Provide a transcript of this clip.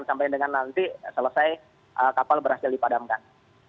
sampai dengan nanti selesai kapal berhasil dipadamkan